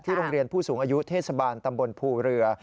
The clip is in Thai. โรงเรียนผู้สูงอายุเทศบาลตำบลภูเรือ